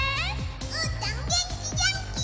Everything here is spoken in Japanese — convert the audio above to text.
うーたんげんきげんき！